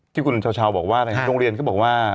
ที่คุณชาวบอกว่าโรงเรียนเขาบอกว่า